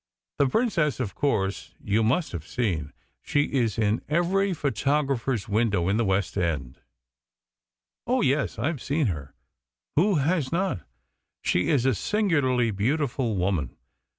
The Princess, of course, you must have seen. She is in every photographer's window in the West End." "Oh yes, I have seen her. Who has not? She is a singularly beautiful woman.